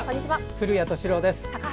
古谷敏郎です。